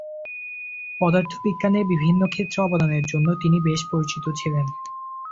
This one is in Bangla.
পদার্থবিজ্ঞানের বিভিন্ন ক্ষেত্রে অবদানের জন্য তিনি বেশ পরিচিত ছিলেন।